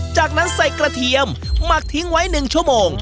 จากนั้นใส่กระเทียมหมักทิ้งไว้๑ชั่วโมง